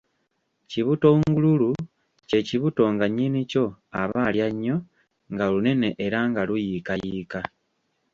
Kibutongululu kye kibuto nga nnyini kyo aba alya nnyo, nga lunene era nga luyiikayiika.